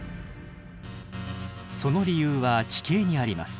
その理由は地形にあります。